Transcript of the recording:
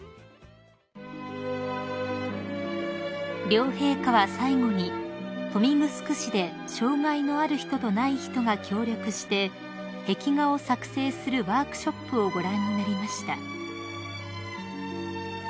［両陛下は最後に豊見城市で障害のある人とない人が協力して壁画を作成するワークショップをご覧になりました］